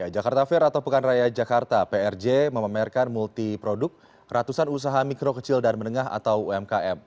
jakarta fair atau pekan raya jakarta prj memamerkan multi produk ratusan usaha mikro kecil dan menengah atau umkm